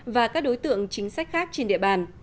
và các đối tượng chính sách khác trên địa bàn